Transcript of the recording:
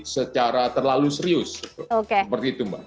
secara terlalu serius seperti itu mbak